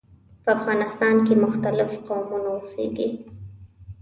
په افغانستان کې مختلف قومونه اوسیږي.